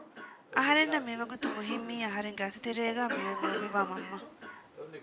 އަހަރެންނަށް މިވަގުތު މުހިއްމީ އަހަރެންގެ އަތުތެރޭގައި މިއޮތް ލޯބިވާ މަންމަ